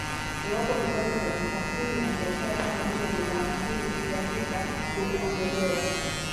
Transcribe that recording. iwapo vikwazo vya kusafiri na biashara kama vile dola hamsini ya visa vimeondolewa